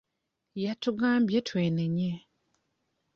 Yatugambye twenenye.